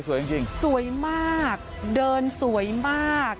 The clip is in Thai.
สวยจริงค่ะสวยมากเดินสวยมาก